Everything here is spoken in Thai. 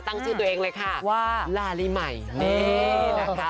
ตั้งชื่อตัวเองเลยค่ะว่าลาลีใหม่นี่นะคะ